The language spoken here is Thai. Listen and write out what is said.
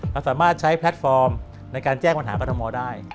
เราสามารถใช้แพลตฟอร์มในการแจ้งปัญหากรทมได้